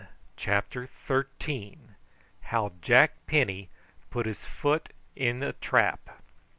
CHAPTER THIRTEEN. HOW JACK PENNY PUT HIS FOOT IN A TRAP.